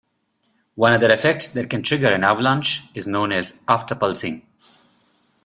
One other effect that can trigger an avalanche is known as afterpulsing.